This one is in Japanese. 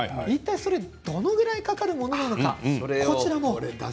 どのぐらいかかるものなのか。